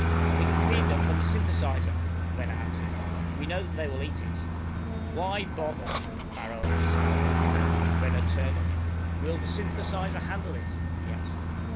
"We can feed them from the synthetizer," Renner answered. "We know that they will eat it." "Why bother?" Farrow asked sourly. Renner turned on him. "Will the synthetizer handle it?" he asked.